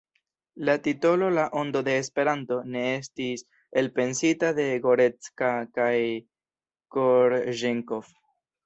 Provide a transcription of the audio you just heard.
La titolo La Ondo de Esperanto ne estis elpensita de Gorecka kaj Korĵenkov.